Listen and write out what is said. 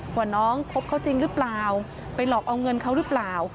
ว่าน้องคบเขาจริงหรือเปล่าไปหลอกเอาเงินเขาหรือเปล่า